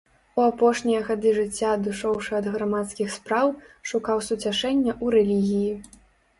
У апошнія гады жыцця адышоўшы ад грамадскіх спраў, шукаў суцяшэння ў рэлігіі.